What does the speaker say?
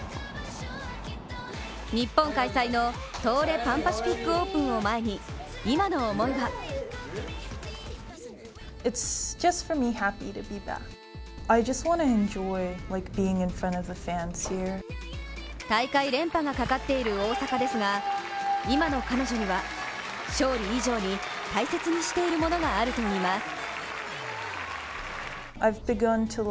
日本開催の東レ・パン・パシフィックオープンを前に今の思いは大会連覇がかかっている大坂ですが今の彼女には勝利以上に大切にしているものがあるといいます。